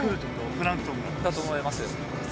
プランクトンがだと思います